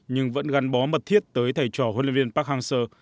nhưng vẫn gắn bó mật thiết tới thầy trò huấn luyện viên park hang seo